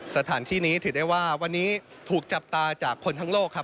สถานที่นี้ถือได้ว่าวันนี้ถูกจับตาจากคนทั้งโลกครับ